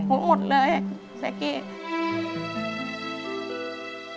หมดเลยแซกกี้